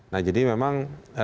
nah jadi memang